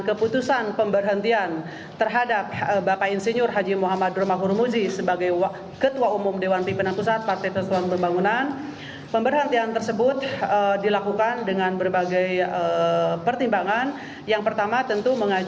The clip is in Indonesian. kepada pemerintah saya ingin mengucapkan terima kasih kepada pemerintah pemerintah yang telah menonton